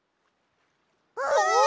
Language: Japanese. あ！